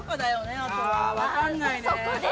ああ、分かんないね。